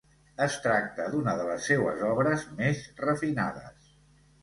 Es tracta d'una de les seues obres més refinades.